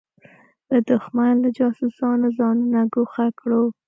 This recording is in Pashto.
له دښمن له جاسوسانو ځانونه ګوښه کړو.